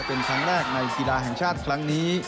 เป็นครั้งแรกในกีฬาแห่งชาติครั้งนี้